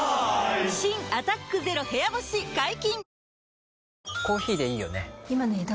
新「アタックＺＥＲＯ部屋干し」解禁‼